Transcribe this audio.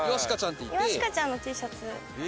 イワシカちゃんのＴシャツ。